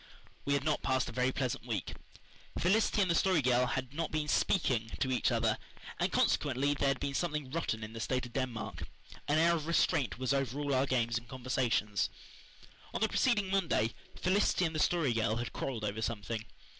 We had not passed a very pleasant week. Felicity and the Story Girl had not been "speaking" to each other, and consequently there had been something rotten in the state of Denmark. An air of restraint was over all our games and conversations. On the preceding Monday Felicity and the Story Girl had quarrelled over something.